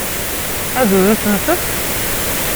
Ad iyi-ten-tefk?